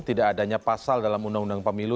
tidak adanya pasal dalam undang undang pemilu